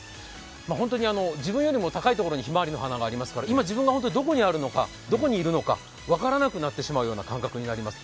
本当に、自分よりも高いところにひまわりの花がありますので今自分が本当にどこにいるのか、分からなくなってしまうような感覚です。